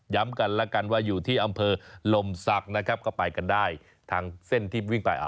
กันแล้วกันว่าอยู่ที่อำเภอลมศักดิ์นะครับก็ไปกันได้ทางเส้นที่วิ่งไป